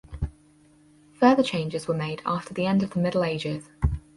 Further changes was made after the end of the Middle Ages.